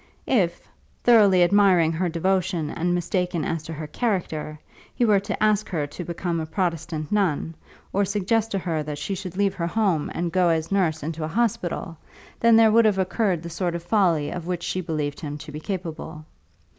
If, thoroughly admiring her devotion and mistaken as to her character, he were to ask her to become a Protestant nun, or suggest to her that she should leave her home and go as nurse into a hospital, then there would have occurred the sort of folly of which she believed him to be capable.